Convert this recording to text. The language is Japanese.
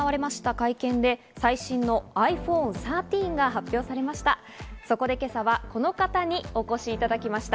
会見で最新のｉＰｈｏｎｅ１３が発表されました。